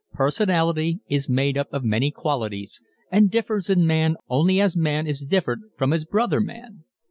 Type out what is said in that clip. Personality is made up of many qualities and differs in man only as man is different from his brother man.